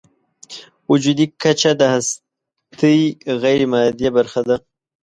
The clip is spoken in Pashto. وجودي کچه د هستۍ غیرمادي برخه ده.